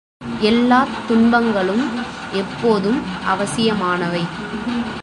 எல்லாத் துன்பங்களும் எப்போதும் அவசியமானவை.